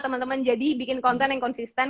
temen temen jadi bikin konten yang konsisten